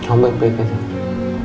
coba baik baik aja